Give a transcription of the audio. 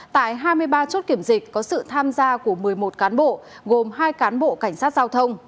tại hai mươi ba chốt kiểm dịch có sự tham gia của một mươi một cán bộ gồm hai cán bộ cảnh sát giao thông